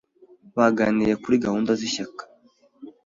Baganiriye kuri gahunda z'ishyaka.